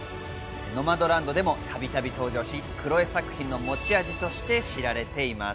『ノマドランド』でもたびたび登場し、クロエ作品の持ち味として知られています。